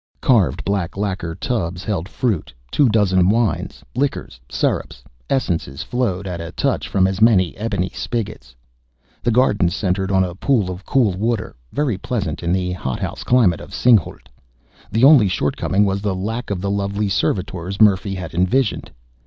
Carved black lacquer tubs held fruit; two dozen wines, liquors, syrups, essences flowed at a touch from as many ebony spigots. The garden centered on a pool of cool water, very pleasant in the hothouse climate of Singhalût. The only shortcoming was the lack of the lovely young servitors Murphy had envisioned.